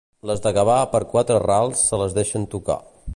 Les de Gavà per quatre rals se la deixen tocar.